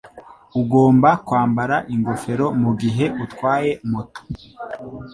Ugomba kwambara ingofero mugihe utwaye moto.